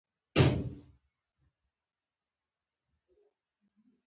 د سر یوه سپین ویښته ته ورپام شو